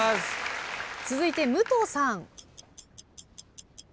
続いて武藤さん。